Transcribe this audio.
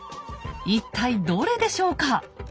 一体どれでしょうか？